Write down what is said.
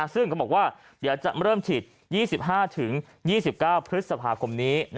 ซึ่งก็บอกว่าเดี๋ยวจะเริ่มฉีด๒๕๒๙พฤษภาคมนี้